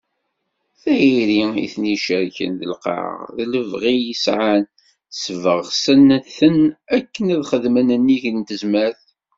Tayri i ten-icerken d lqaεa, d lebɣi i sεan, sbeɣsen-ten akken ad xedmen nnig n tezmert.